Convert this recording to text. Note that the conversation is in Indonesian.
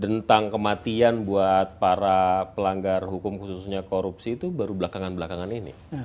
tentang kematian buat para pelanggar hukum khususnya korupsi itu baru belakangan belakangan ini